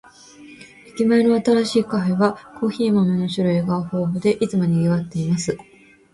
駅前の新しいカフェは、コーヒー豆の種類が豊富で、いつも賑わっています。